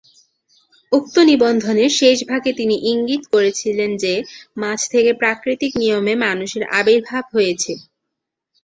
উক্ত নিবন্ধের শেষভাগে তিনি ইঙ্গিত করেছিলেন যে মাছ থেকে প্রাকৃতিক নিয়মে মানুষের আবির্ভাব হয়েছে।